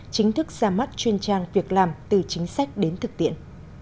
chính thức ra mắt chuyên trang việc làm từ chính sách đến thực tiện